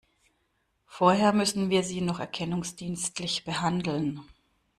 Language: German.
Vorher müssen wir Sie noch erkennungsdienstlich behandeln.